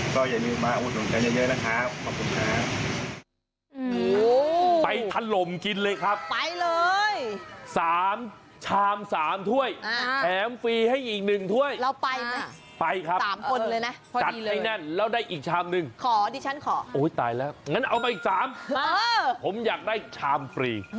ก็อย่าลืมมาอุดหนุนกันเยอะนะครับขอบคุณครับ